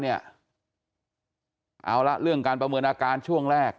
เอาละเรื่องการประเมินอาการช่วงแรก